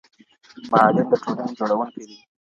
معلم د ټولنې جوړونکی دی.